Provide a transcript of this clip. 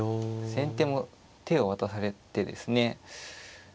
先手も手を渡されてですね